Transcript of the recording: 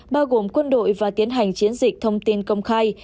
bao gồm quân đội và tiến hành chiến dịch thông tin công khai